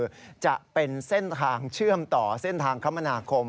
คือจะเป็นเส้นทางเชื่อมต่อเส้นทางคมนาคม